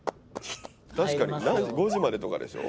確かに５時までとかでしょ？